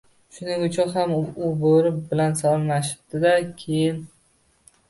Shuning uchun ham u Boʻri bilan salomlashibdi-da, keyin: